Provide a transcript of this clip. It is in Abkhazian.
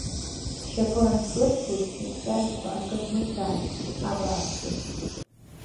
Зшьапы анхырҵәоз сшьацәкьарақәа акы рмыхьааит, абааԥсы!